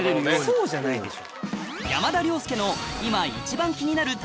そうじゃないでしょ。